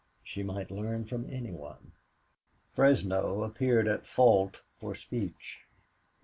She might learn from any one. Fresno appeared at fault for speech.